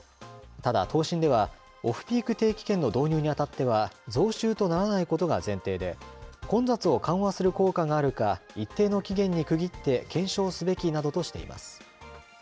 ただ、答申では、オフピーク定期券の導入にあたっては、増収とならないことが前提で、混雑を緩和する効果があるか、一定の期限に区切って検証すべきなどとしています。